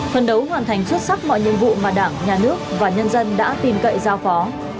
phân đấu hoàn thành xuất sắc mọi nhiệm vụ mà đảng nhà nước và nhân dân đã tin cậy giao phó